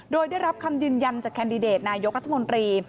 โดยได้รับคำยืนยันจากแคนดิเดตนายกรัฐมนตรี